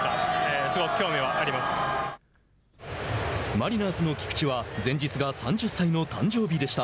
マリナーズの菊池は前日が３０歳の誕生日でした。